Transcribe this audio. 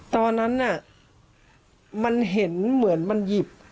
ตอนนั้นน่ะมันเห็นเหมือนมันหยิบ